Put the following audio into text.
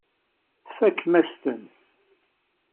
Tfakem-as-ten.